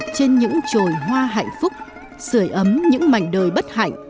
trên những trồi hoa hạnh phúc sửa ấm những mảnh đời bất hạnh